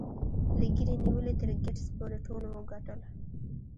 له ګيري نیولې تر ګیټس پورې ټولو وګټل